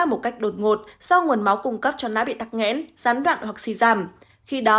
trong vùng đột ngột do nguồn máu cung cấp cho não bị tắc nghẽn gián đoạn hoặc si giảm khi đó